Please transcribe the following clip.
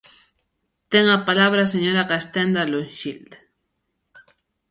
Ten a palabra a señora Castenda Loxilde.